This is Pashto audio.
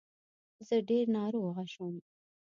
زه ډير ناروغه شوم